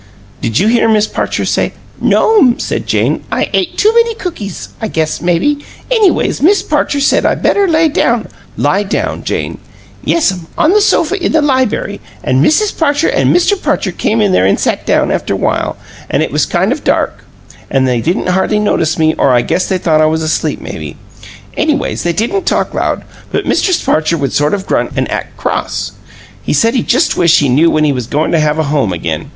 "Did you hear Miss Parcher say " "No'm," said Jane. "I ate too many cookies, I guess, maybe. Anyways, Miss Parcher said I better lay down " "LIE down, Jane." "Yes'm. On the sofa in the liberry, an' Mrs. Parcher an' Mr. Parcher came in there an' sat down, after while, an' it was kind of dark, an' they didn't hardly notice me, or I guess they thought I was asleep, maybe. Anyways, they didn't talk loud, but Mr. Parcher would sort of grunt an' ack cross. He said he just wished he knew when he was goin' to have a home again.